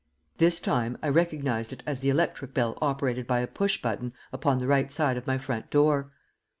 This time I recognized it as the electric bell operated by a push button upon the right side of my front door.